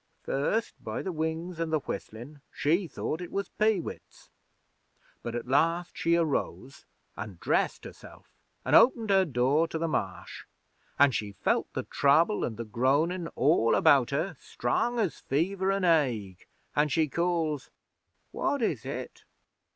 'First, by the wings an' the whistlin', she thought it was peewits, but last she arose an' dressed herself, an' opened her door to the Marsh, an' she felt the Trouble an' the Groanin' all about her, strong as fever an' ague, an' she calls: "What is it?